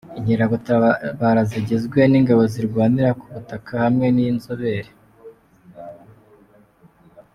Inkeragutabara zigizwe n’Ingabo Zirwanira ku Butaka hamwe n’inzobere.